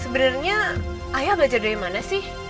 sebenarnya ayah belajar dari mana sih